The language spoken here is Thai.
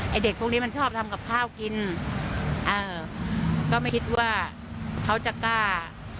เด็กพวกนี้มันชอบทำกับข้าวกินเออก็ไม่คิดว่าเขาจะกล้า